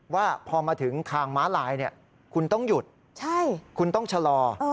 ว่าพอมาถึงทางม้าลายคุณต้องหยุดคุณต้องชะลอ